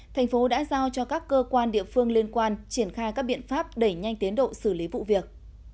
thành phố đã giao cho các cơ quan địa phương liên quan triển khai các biện pháp đẩy nhanh tiến độ xử lý vụ việc